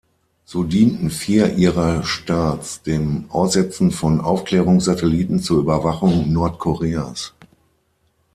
So dienten vier ihrer Starts dem Aussetzen von Aufklärungssatelliten zur Überwachung Nordkoreas.